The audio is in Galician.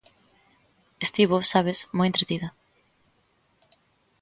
Estivo, sabes, moi entretida.